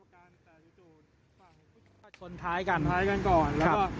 คนท้ายกันท้ายกันก่อน